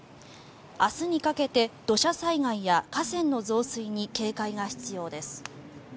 明日にかけて土砂災害や河川の増水に警戒が必要です。